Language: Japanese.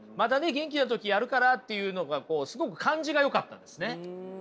元気な時やるからっていうのがすごく感じがよかったですね。